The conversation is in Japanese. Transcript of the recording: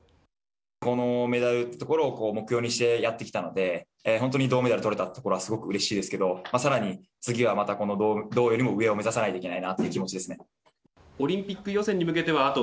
このメダルというところを目標にしてやってきたので本当に銅メダル取れたというところはすごくうれしいですけどさらに次は、この銅よりも上を目指さないといけないなという気持ちです。